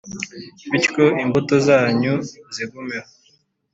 Bityo imbuto zanyu zigumeho